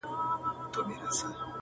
نه پنځه یو نه پنځه زره کلن یو -